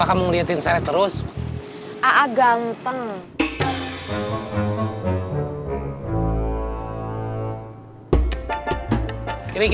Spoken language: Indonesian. uang buah yang harus disudah kamu kasih